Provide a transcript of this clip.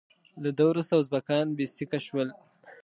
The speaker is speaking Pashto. له ده وروسته ازبکان بې سیکه شول.